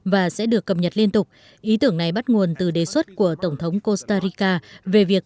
và sẽ được cập nhật liên tục ý tưởng này bắt nguồn từ đề xuất của tổng thống costa rica về việc